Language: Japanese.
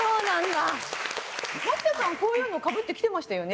マキタさん、こういうのかぶって来てましたよね。